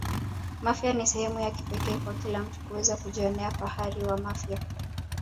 mafia ni sehemu ya kipekee kwa kila mtu kuweza kujionea fahari wa mafia